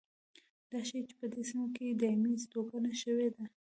دا ښيي چې په دې سیمه کې دایمي هستوګنه شوې ده.